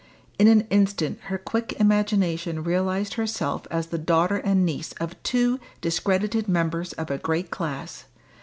In an instant her quick imagination realised herself as the daughter and niece of two discredited members of a great class.